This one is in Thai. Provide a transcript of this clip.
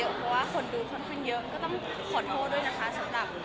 เพราะว่าคนดูค่อนข้างเยอะก็ต้องขอโทษด้วยนะคะสำหรับ